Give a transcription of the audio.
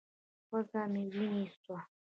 پزه مې وينې سوه.